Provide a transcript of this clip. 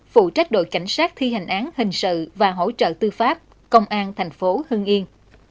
phụ trách đội cảnh sát thi hành án hình sự và hỗ trợ tư pháp công an thành phố hưng yên